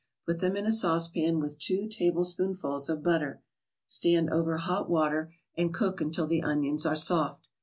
Put them in a saucepan with two tablespoonfuls of butter. Stand over hot water and cook until the onions are soft.